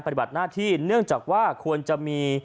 ปฏิบัติหน้าที่เนื่องจากว่าควรจะมี